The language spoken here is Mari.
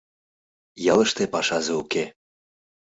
Ялыште пашазе уке.